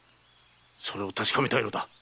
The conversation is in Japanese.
それを確かめたいのだ。